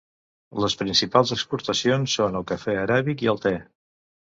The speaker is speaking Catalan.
Les principals exportacions són el cafè aràbic i el te.